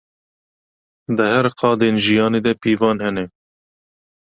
Di her qadên jiyanê de pîvan hene.